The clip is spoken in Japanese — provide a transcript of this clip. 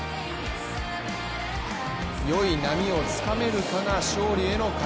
よい波をつかめるかが勝利への鍵。